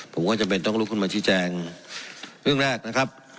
ผมก็จำเป็นต้องลุกขึ้นมาชี้แจงเรื่องแรกนะครับ